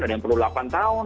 ada yang perlu delapan tahun